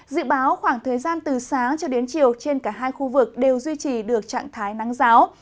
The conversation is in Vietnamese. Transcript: dự báo khoảng thời gian từ sáng cho đến chiều trên cả hai khu vực đều duy trì được trạng thái nắng giáo